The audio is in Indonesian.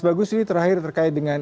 bagus ini terakhir terkait dengan